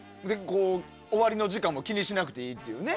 終わりの時間も気にしなくていいというね。